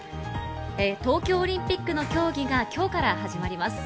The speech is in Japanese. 東京オリンピックの競技が今日から始まります。